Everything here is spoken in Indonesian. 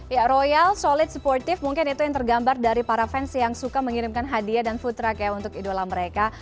ya royal solid supportive mungkin itu yang tergambar dari para fans yang suka mengirimkan hadiah dan food truck untuk idola mereka